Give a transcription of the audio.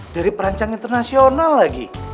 dari perancang internasional lagi